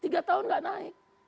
tiga tahun gak naik